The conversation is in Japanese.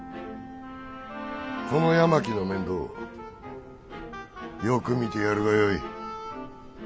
この八巻の面倒をよく見てやるがよい。